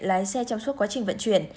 lái xe trong suốt quá trình vận chuyển